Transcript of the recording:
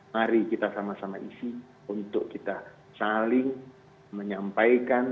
mari kita sama sama isi untuk kita saling menyampaikan